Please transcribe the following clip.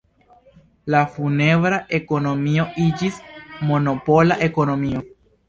La funebra ekonomio iĝis monopola ekonomio.